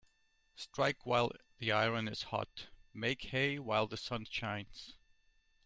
Strike while the iron is hot Make hay while the sun shines.